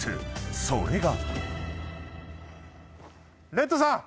［それが］